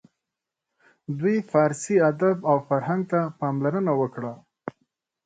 دوی فارسي ادب او فرهنګ ته پاملرنه وکړه.